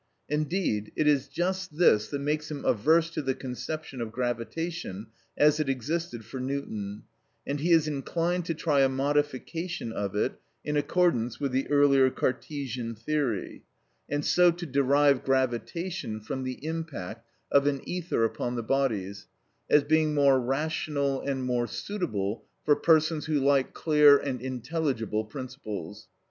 Indeed, it is just this that makes him averse to the conception of gravitation as it existed for Newton, and he is inclined to try a modification of it in accordance with the earlier Cartesian theory, and so to derive gravitation from the impact of an ether upon the bodies, as being "more rational and more suitable for persons who like clear and intelligible principles."